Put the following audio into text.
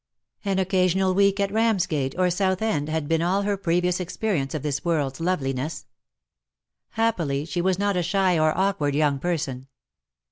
An occasional week at Ramsgate or South end had been all her previous experience of this world''s loveliness. Happil}^,, she was not a shy or awkward young person.